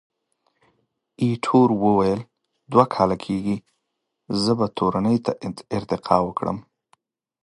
ایټور وویل، دوه کاله کېږي، زه به تورنۍ ته ارتقا وکړم.